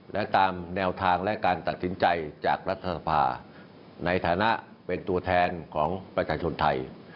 และตามแนวทางและการตัดสินใจจากรัฐสภาในฐานะเป็นตัวแทนของประชาชนไทย